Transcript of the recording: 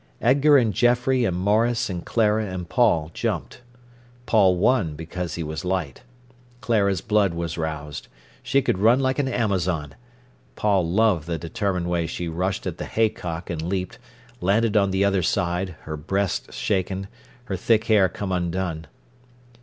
Edgar and Geoffrey and Maurice and Clara and Paul jumped. Paul won, because he was light. Clara's blood was roused. She could run like an Amazon. Paul loved the determined way she rushed at the hay cock and leaped, landed on the other side, her breasts shaken, her thick hair come undone.